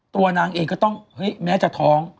ตัวนางเองก็ต้องเฮ้ยแม้จะท้อง